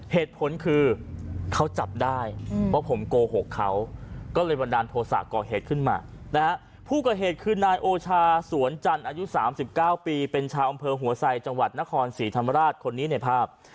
เหตุคือนายโอชาสวนจันทร์อายุ๓๙ปีเป็นชาวอำเภอหัวไส่จังหวัดนครศรีธรรมราชคนนี้ในภาพ